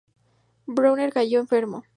Brouwer cayó enfermo.